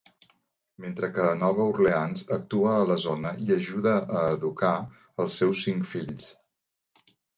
Mentre que a Nova Orleans actua a la zona i ajuda a educar als seus cinc fills.